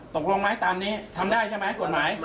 ตกลงไหมตามนี้ทำได้ใช่ไหมกฎหมาย